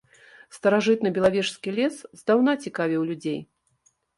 Старажытны белавежскі лес здаўна цікавіў людзей.